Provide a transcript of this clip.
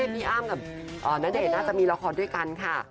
พี่เอ๋มกับนาเดตน่าจะมีละครด้วยกันค่ะ